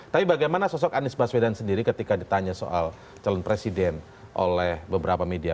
tapi bagaimana sosok anies baswedan sendiri ketika ditanya soal calon presiden oleh beberapa media